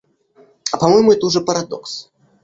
А по-моему, это уже парадокс.